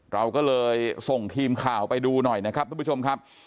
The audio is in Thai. เราก็เลยส่งทีมข่าวไปดูหน่อยนะครับทุกผู้ชมครับ